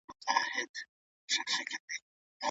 که خویندې یو بل سره مرسته وکړي نو بار به نه وي دروند.